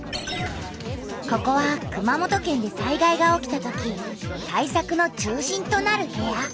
ここは熊本県で災害が起きたとき対策の中心となる部屋。